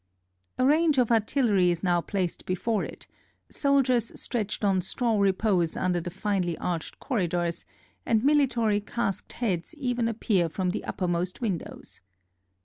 A range of artillery is now placed before it; soldiers stretched on straw repose under the finely 362 THE RETURN OF NAPOLEON FROM ELBA arched corridors, and military casqued heads even ap pear from the uppermost windows.